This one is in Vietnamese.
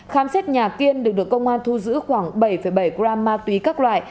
khám xét nhà kiên được được công an thu giữ khoảng bảy bảy gram ma túy các loại